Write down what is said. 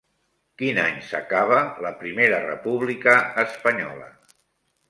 Quin any s'acaba la Primera República Espanyola?